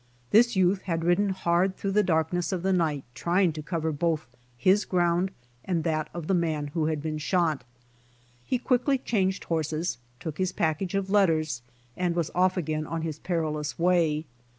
This youth had ridden hard through the darkness of the night trying to cover both his own ground and that of the man who had been shot. He quickly changed horses, took his package of letters, and was off again on his perilous way.